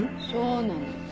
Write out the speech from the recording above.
そうなの。